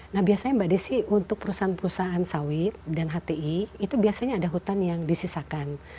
nah biasanya mbak desi untuk perusahaan perusahaan sawit dan hti itu biasanya ada hutan yang disisakan